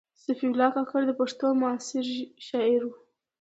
صفي الله کاکړ د پښتو معاصر شاعر و.